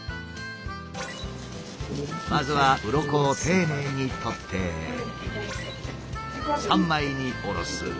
まずはウロコを丁寧にとって三枚におろす。